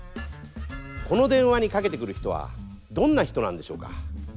この電話にかけてくる人はどんな人なんでしょうか？